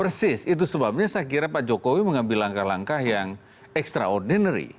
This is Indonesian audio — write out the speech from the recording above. persis itu sebabnya saya kira pak jokowi mengambil langkah langkah yang extraordinary